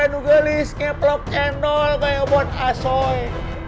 duga lih kayak vlog channel kayak buat asoy